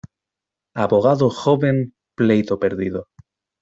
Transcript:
Abogado joven, pleito perdido.